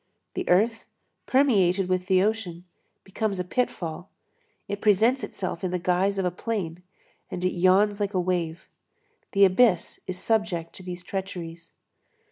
The earth, permeated with the ocean, becomes a pitfall. It presents itself in the guise of a plain, and it yawns like a wave. The abyss is subject to these treacheries.